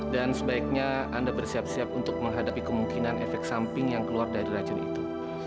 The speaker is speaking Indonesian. dan sebaiknya anda bersiap siap untuk menghadapi kemungkinan efek samping yang keluar dari racun itu